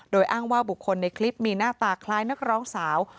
โดยอ้างว่าบุคคลในคลิปมีหน้าตาคล้ายนักร้องสาว